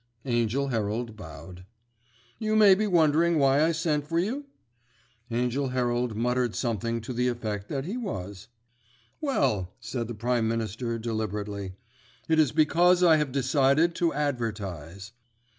Angell Herald bowed. "You may be wondering why I sent for you?" Angell Herald muttered something to the effect that he was. "Well," said the Prime Minister deliberately, "it is because I have decided to advertise."